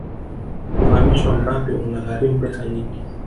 uhamisho wa mbappe una gharimu pesa nyingi